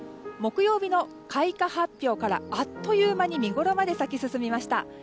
木曜日の開花発表からあっという間に見ごろまで咲き進みました。